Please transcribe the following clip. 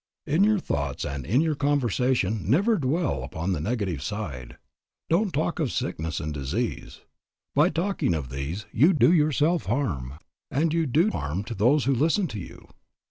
In your thoughts and in your conversation never dwell upon the negative side. Don't talk of sickness and disease. By talking of these you do yourself harm and you do harm to those who listen to you.